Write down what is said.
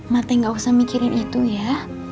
matanya gak usah mikirin itu ya